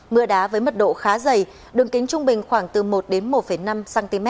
mưa đá với mật độ khá dày đường kính trung bình khoảng từ một đến một năm cm